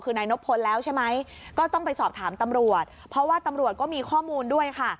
คือนายนบพลแล้วใช่ไหมก็ต้องไปสอบถามตำรวจเพราะว่าตำรวจก็มีข้อมูลด้วยค่ะ